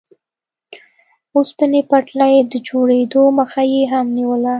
اوسپنې پټلۍ د جوړېدو مخه یې هم نیوله.